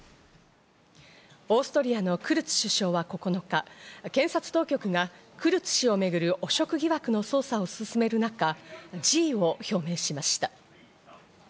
オーストリアのクルツ首相は９日、警察当局がクルツ氏をめぐる汚職疑惑の捜査を進める中、辞意を表明しました。